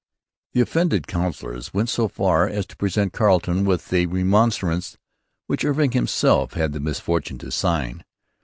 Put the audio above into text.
The offended councillors went so far as to present Carleton with a remonstrance which Irving himself had the misfortune to sign.